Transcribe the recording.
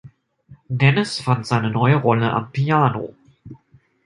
Dennis fand seine neue Rolle am Piano.